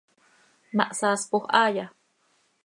¿Ma hsaaspoj haaya?